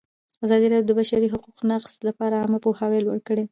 ازادي راډیو د د بشري حقونو نقض لپاره عامه پوهاوي لوړ کړی.